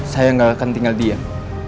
saya nggak akan tinggal diam